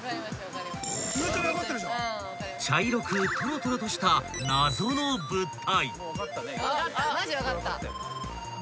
［茶色くトロトロとした謎の物体］